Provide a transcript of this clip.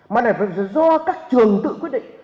mà là do các trường tự quyết định